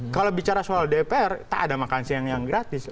kalau bicara soal dpr tak ada makan siang yang gratis